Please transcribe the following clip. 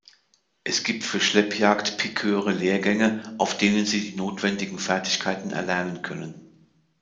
Es gibt für Schleppjagd-Piköre Lehrgänge, auf denen sie die notwendigen Fertigkeiten erlernen können.